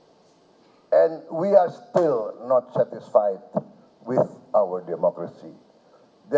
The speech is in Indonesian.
dan kita masih belum setuju dengan demokrasi kita